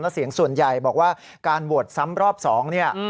และเสียงส่วนใหญ่บอกว่าการโหวตซ้ำรอบ๒เนี่ย